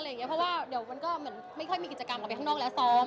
เพราะว่าเดี๋ยวมันก็เหมือนไม่ค่อยมีกิจกรรมออกไปข้างนอกแล้วซ้อม